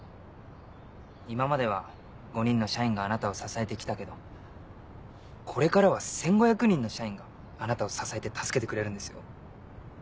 今までは５人の社員があなたを支えて来たけどこれからは１５００人の社員があなたを支えて助けてくれるんですよ。